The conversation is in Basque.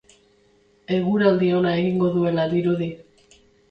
Eguraldi ona egingo duela dirudi.